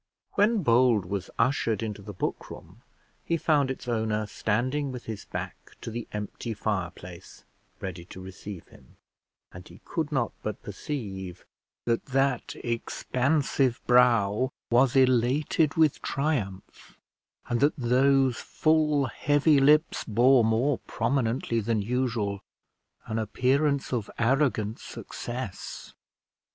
When Bold was ushered into the book room, he found its owner standing with his back to the empty fire place ready to receive him, and he could not but perceive that that expansive brow was elated with triumph, and that those full heavy lips bore more prominently than usual an appearance of arrogant success.